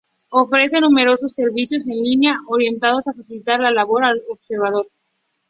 Ofrece numerosos servicios en línea orientados a facilitar la labor al observador.